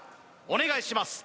お願いします